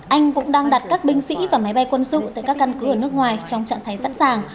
anh cũng đang đặt các binh sĩ và máy bay quân sự tại các căn cứ ở nước ngoài trong trạng thái sẵn sàng